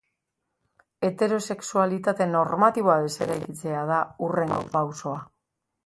Heterosexualitate normatiboa deseraikitzea da hurrengo pausoa.